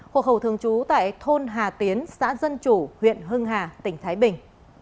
hộ khẩu thường trú tại thôn hà tiến xã dân chủ huyện hưng hà tỉnh thái bình